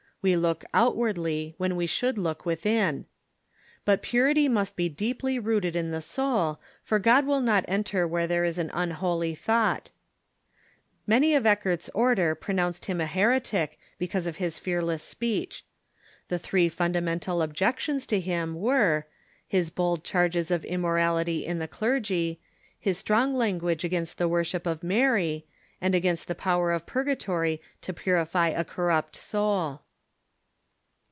We look outwardly when we should look within. But purity must be deei)ly rooted in the soul, for God will not enter Avhere there is an unholy THE llEUALDS OF I'ROTESTANTISM 201 thought. IVfany of Eckart's order pronounced him a heretic, because of his fearless speech. The three fundamental objec tions to him were, his bold charges of immorality in the clergy, his strong language against the worship of Mary, and against the power of purgatory to purify a corrupt soul.